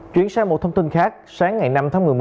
chuyển sang một thông tin khác sáng ngày năm tháng một mươi một